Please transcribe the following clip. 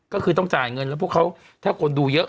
ก็คือต้องจ่ายเงินแล้วพวกเขาถ้าคนดูเยอะ